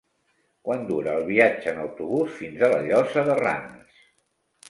Quant dura el viatge en autobús fins a la Llosa de Ranes?